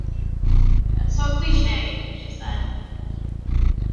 "That's so cliche" she said.